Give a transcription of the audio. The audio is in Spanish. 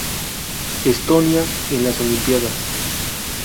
Estonia en las Olimpíadas